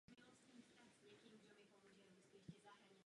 Proto bychom mu na jeho cestě neměli klást zbytečné překážky.